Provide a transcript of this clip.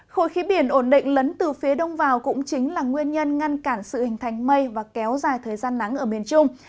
khối khí biển ổn định lấn từ phía đông vào cũng chính là nguyên nhân ngăn cản sự hình thành mây và kéo dài thời gian nắng ở miền trung